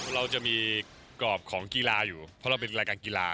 เราจะมีกรอบของกีฬาอยู่เพราะเราเป็นรายการกีฬา